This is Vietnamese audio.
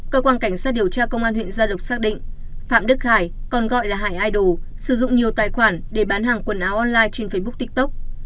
cơ quan cảnh sát điều tra công an huyện gia lộc xác định phạm đức khải còn gọi là hải idol sử dụng nhiều tài khoản để bán hàng quần áo online trên facebook tiktok